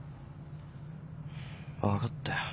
分かったよ。